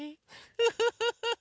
フフフフ。